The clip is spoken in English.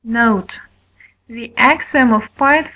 Note. The Axiom of Part IV.